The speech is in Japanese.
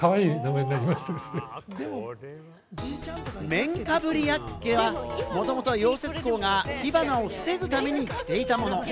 綿かぶりヤッケは、もともとは溶接工が火花を防ぐために着ていたもの。